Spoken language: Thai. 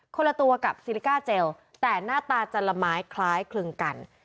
ละตัวกับซิลิกาเจลแต่หน้าตาจะละไม้คล้ายคลึงกัน